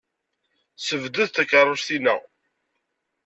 Ssebded takeṛṛust-inna.